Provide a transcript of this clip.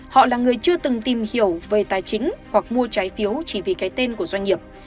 họ là người chưa từng tìm hiểu về tài chính hoặc mua trái phiếu chỉ vì cái tên của doanh nghiệp